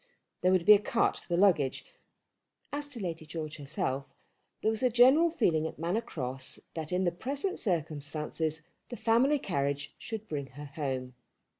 There would be a cart for the luggage. As to Lady George herself there was a general feeling at Manor Cross that in the present circumstances the family carriage should bring her home.